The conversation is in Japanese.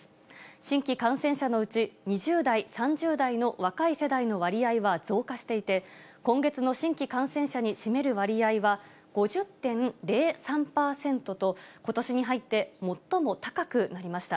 新規感染者のうち２０代、３０代の若い世代の割合は増加していて、今月の新規感染者に占める割合は５０．０３％と、ことしに入って最も高くなりました。